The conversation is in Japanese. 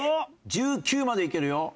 １９までいけるよ。